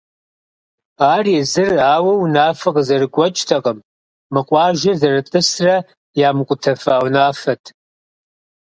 Ар езыр ауэ унафэ къызэрыгуэкӏтэкъым — мы къуажэр зэрытӏысрэ ямыкъутэфа унафэт.